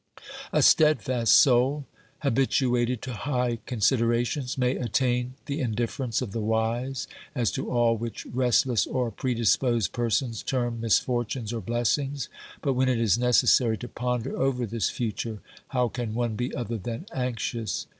A steadfast soul, habitu ated to high considerations, may attain the indifference of the wise as to all which restless or predisposed persons term misfortunes or blessings, but when it is necessary to ponder over this future how can one be other than anxious